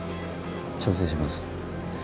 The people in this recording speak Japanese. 調整します。